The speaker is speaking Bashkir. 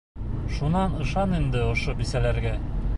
Шунан ышан инде ошо бисәләргә!